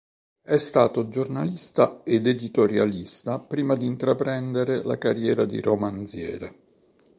È stato giornalista ed editorialista prima di intraprendere la carriera di romanziere.